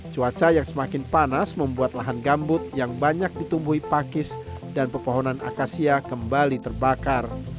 cuaca yang semakin panas membuat lahan gambut yang banyak ditumbuhi pakis dan pepohonan akasia kembali terbakar